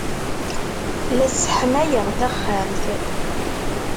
La sseḥmayeɣ taxxamt.